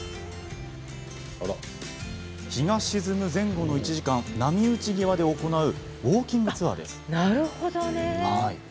日が沈む前後の１時間波打ち際で行うウォーキングツアーです。